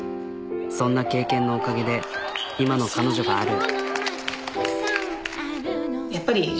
そんな経験のおかげで今の彼女がある。